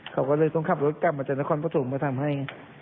เขาก็เลยต้องขับรถกลับมาจากนครปฐมมาทำให้